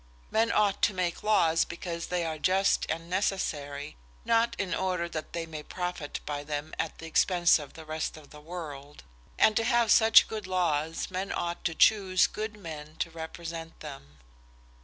Men ought to make laws because they are just and necessary, not in order that they may profit by them at the expense of the rest of the world. And to have such good laws men ought to choose good men to represent them."